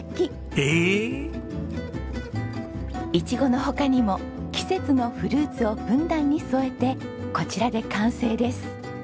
イチゴの他にも季節のフルーツをふんだんに添えてこちらで完成です。